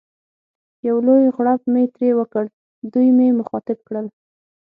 یو لوی غړپ مې ترې وکړ، دوی مې مخاطب کړل.